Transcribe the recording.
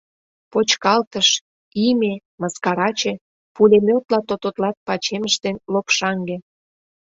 «Почкалтыш», «Име», «Мыскараче»! — пулемётла тототлат Пачемыш ден Лопшаҥге.